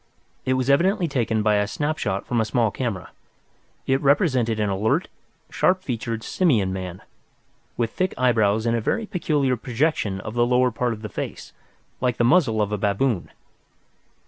It was evidently taken by a snapshot from a small camera. It represented an alert, sharp featured simian man, with thick eyebrows and a very peculiar projection of the lower part of the face, like the muzzle of a baboon.